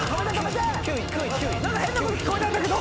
何か変なこと聞こえたんだけど。